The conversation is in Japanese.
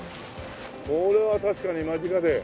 これは確かに間近で。